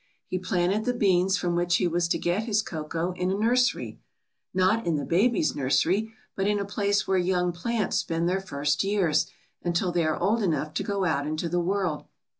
He planted the beans from which he was to get his cocoa in a nursery — not in the baby's nursery, but in a place where young plants spend their first years, until they are old enough to go out into the world.